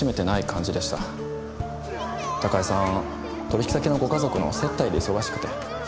取引先のご家族の接待で忙しくて。